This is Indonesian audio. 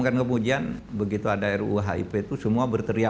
kan kemudian begitu ada ruhip itu semua berteriak